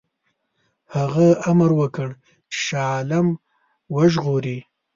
هغه امر وکړ چې شاه عالم وژغوري.